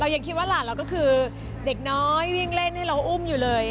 ยังคิดว่าหลานเราก็คือเด็กน้อยวิ่งเล่นให้เราอุ้มอยู่เลย